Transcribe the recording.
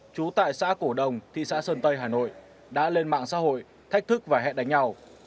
trú tại xã cổ đồng thị xã sơn tây hà nội đã lên mạng xã hội thách thức và hẹn đánh nhau